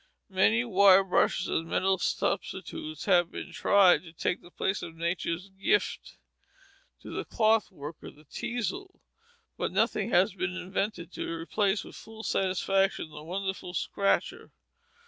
Many wire brushes and metal substitutes have been tried to take the place of nature's gift to the cloth worker, the teazel, but nothing has been invented to replace with full satisfaction that wonderful scratcher.